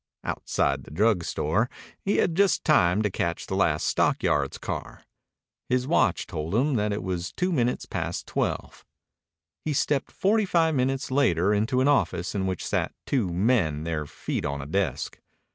Outside the drug store he just had time to catch the last stockyards car. His watch told him that it was two minutes past twelve. He stepped forty five minutes later into an office in which sat two men with their feet on a desk.